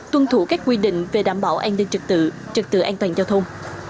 tuân thủ các quy định về đảm bảo an ninh trực tự trực tự an toàn giao thông